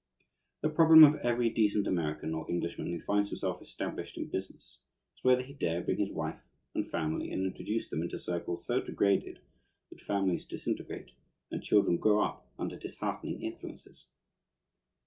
The problem of every decent American or Englishman who finds himself established in business is whether he dare bring his wife and family and introduce them into circles so degraded that families disintegrate and children grow up under disheartening influences.